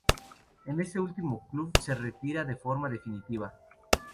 En este último club se retira de forma definitiva.